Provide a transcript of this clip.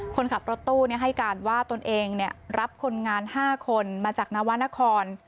คนขับรถตู้ให้การว่าตนเองรับคนงาน๕คนมาจากนวรรณคร